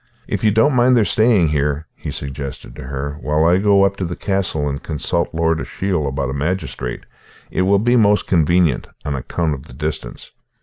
"If you don't mind their staying here," he suggested to her, "while I go up to the castle and consult Lord Ashiel about a magistrate, it will be most convenient, on account of the distance."